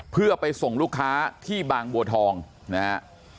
เพื่อไปส่งลูกค้าที่บางบัวทองนะฮะ